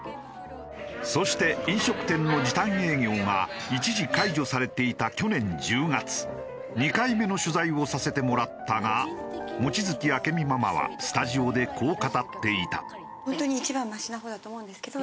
そして飲食店の時短営業が一時解除されていた去年１０月２回目の取材をさせてもらったが望月明美ママはスタジオでこう語っていた。